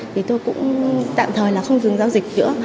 thì tôi cũng tạm thời là không dừng giao dịch giữa